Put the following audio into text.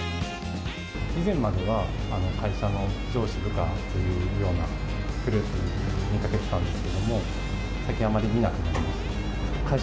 以前までは、会社の上司、部下というようなグループを見かけてたんですけど、最近、あまり見なくなりました。